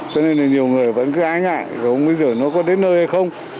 cho nên là nhiều người vẫn cứ ái ngại không biết nó có đến nơi hay không